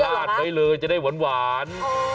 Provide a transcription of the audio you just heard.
ดไว้เลยจะได้หวาน